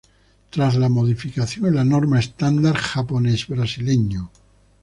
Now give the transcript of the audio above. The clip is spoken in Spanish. Tras la modificación en la norma estándar japones-brasileño.